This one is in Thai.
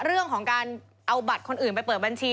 เรื่องของการเอาบัตรคนอื่นไปเปิดบัญชี